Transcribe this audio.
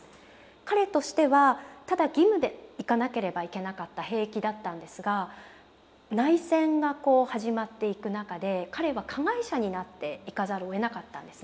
彼としてはただ義務で行かなければいけなかった兵役だったんですが内戦が始まっていく中で彼は加害者になっていかざるをえなかったんですね。